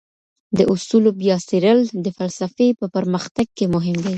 د اصولو بیا څېړل د فلسفې په پرمختګ کي مهم دي.